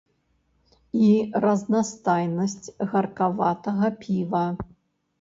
І разнастайнасць гаркаватага піва.